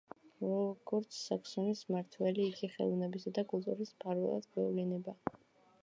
როგორც საქსონიის მმართველი, იგი ხელოვნებისა და კულტურის მფარველად გვევლინება.